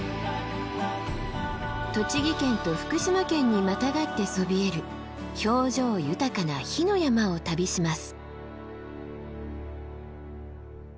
栃木県と福島県にまたがってそびえる表情豊かな火の山を旅します。